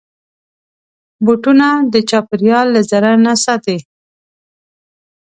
بوټونه د چاپېریال له ضرر نه ساتي.